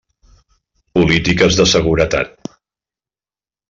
Polítiques de Seguretat.